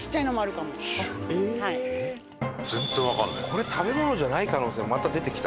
これ食べ物じゃない可能性また出てきたな。